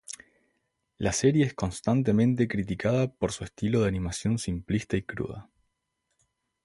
La serie es constantemente criticada por su estilo de animación simplista y cruda.